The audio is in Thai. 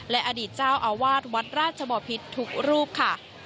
และอดีตเจ้าอาวาสวัดราชบอพิษทุกรูปค่ะ